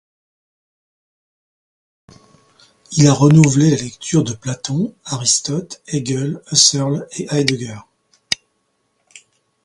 Il a renouvelé la lecture de Platon, Aristote, Hegel, Husserl et Heidegger.